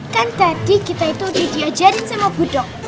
kan tadi kita itu udah diajarin sama gudok